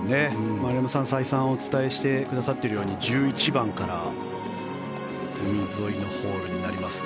丸山さん、再三お伝えしてくださっているように１１番から海沿いのホールになりますが。